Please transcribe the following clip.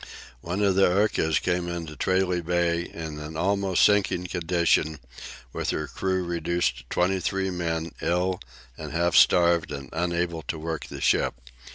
One of the urcas came into Tralee Bay in an almost sinking condition, with her crew reduced to twenty three men, ill and half starved and unable to work the ship.